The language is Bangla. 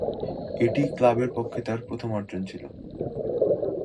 এটিই ক্লাবের পক্ষে তার প্রথম অর্জন ছিল।